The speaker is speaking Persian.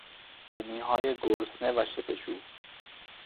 بومیهای گرسنه و شپشو